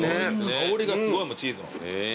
香りがすごいもんチーズの。